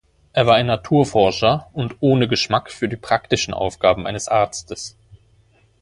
Er war ein Naturforscher und ohne Geschmack für die praktischen Aufgaben eines Arztes.